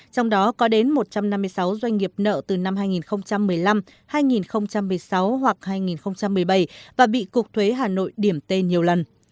trong đó có đến một trăm năm mươi sáu doanh nghiệp nợ từ năm hai nghìn một mươi năm hai nghìn một mươi sáu hoặc hai nghìn một mươi bảy và bị cục thuế hà nội điểm tên nhiều lần